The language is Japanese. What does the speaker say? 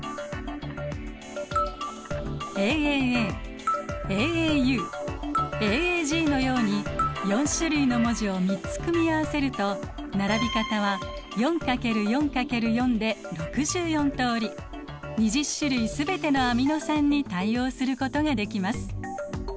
ＡＡＡＡＡＵＡＡＧのように４種類の文字を３つ組み合わせると並び方は２０種類全てのアミノ酸に対応することができます。